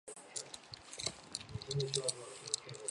阿契美尼斯的表现表明安善和波斯已经具有相当的独立性。